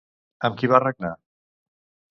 Amb qui va regnar?